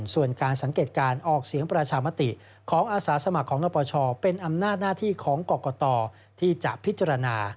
ส่วนการสังเกตการออกเสียงประชามติของอาสาสมัครของนปชเป็นอำนาจหน้าที่ของกรกตที่จะพิจารณา